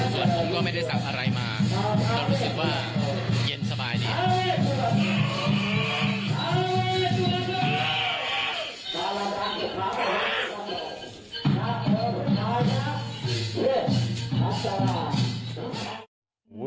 ส่วนผมก็ไม่ได้สั่งอะไรมาก็รู้สึกว่าเย็นสบายดี